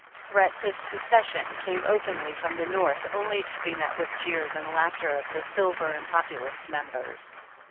Threats of secession came openly from the North only to be met with the jeers and laughter of the silver and populist members.